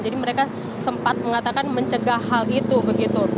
jadi mereka sempat mengatakan mencegah hal itu begitu